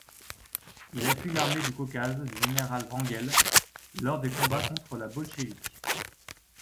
Il appuie l’Armée du Caucase du général Wrangel lors des combats contre la bolchévique.